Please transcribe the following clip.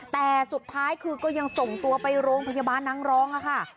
แต่สุดท้ายคือก็ยังส่งตัวไปโรงพยาบาลนางรองค่ะ